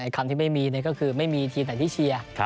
คำที่ไม่มีก็คือไม่มีทีมไหนที่เชียร์